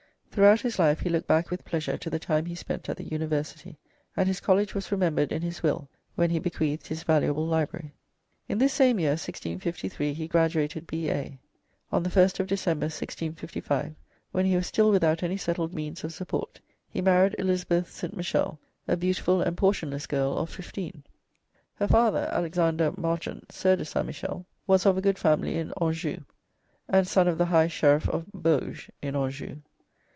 Throughout his life he looked back with pleasure to the time he spent at the University, and his college was remembered in his will when he bequeathed his valuable library. In this same year, 1653, he graduated B.A. On the 1st of December, 1655, when he was still without any settled means of support, he married Elizabeth St. Michel, a beautiful and portionless girl of fifteen. Her father, Alexander Marchant, Sieur de St. Michel, was of a good family in Anjou, and son of the High Sheriff of Bauge (in Anjou).